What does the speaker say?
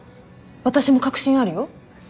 私も確信あるよ。